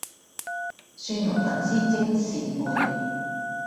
蒜蓉粉絲蒸扇貝